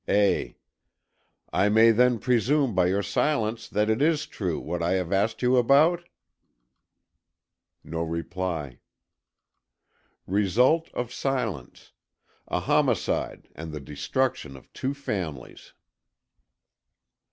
A. "I may then presume by your silence that it is true what I have asked you about?" No reply. Result of silence: A homicide, and the destruction of two families.